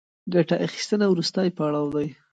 ګټه اخیستنه وروستی پړاو دی